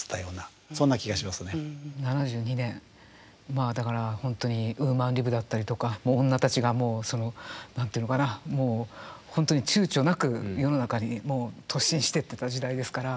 まあだから本当にウーマンリブだったりとか女たちがもうその何て言うのかなもう本当に躊躇なく世の中に突進していってた時代ですから。